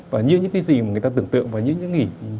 và như những cái gì mà người ta tưởng tượng và như những cái nghỉ